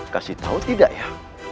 kasih tau tidak ya